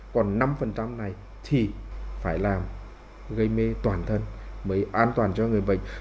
còn năm này thì phải làm gây mê toàn thân mới an toàn cho người bệnh